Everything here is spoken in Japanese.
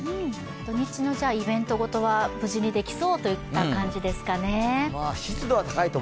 土日のイベント事は無事にできそうといった感じですかね。